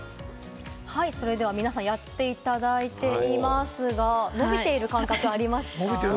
それでは皆さんやっていただいていますが、伸びている感覚はありますか？